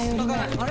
あれ？